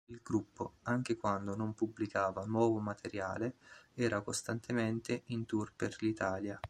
Il gruppo, anche quando non pubblicava nuovo materiale, era costantemente in tour per l'Italia.